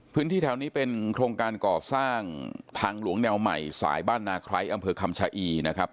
พื้นที่แถวนี้เป็นโครงการก่อสร้างทางหลวงแนวใหม่สายบ้านนาไคร้อำเภอคำชะอีนะครับ